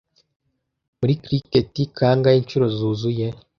Muri cricket kangahe inshuro zuzuye